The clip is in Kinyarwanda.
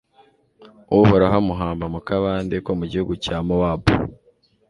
uhoraho amuhamba mu kabande ko mu gihugu cya mowabu